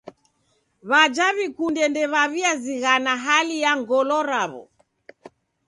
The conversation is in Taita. W'aja w'ikunde ndew'aw'iazighana hali ya ngolo raw'o.